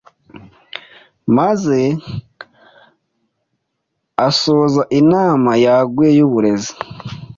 maze asoza inama yaguye y’uburezi